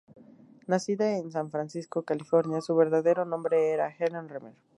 Nacida en San Francisco, California, su verdadero nombre era Helen Remer.